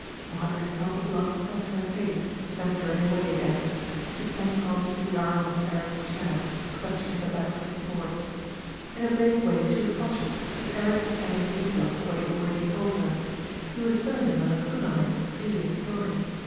Marjorie felt the blood flood to her face, then drain away again. She sank on to the arm of Eric's chair, clutching at the back for support. In a vague way she was conscious that Eric was adding details to what he had already told her. He was filling in the lacunae in his previous story.